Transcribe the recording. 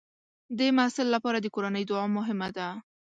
د محصل لپاره د کورنۍ دعا مهمه ده.